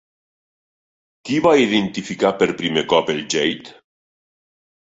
Qui va identificar per primer cop el jade?